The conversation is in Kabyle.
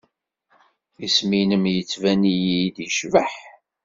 Isem-nnem yettban-iyi-d yecbeḥ.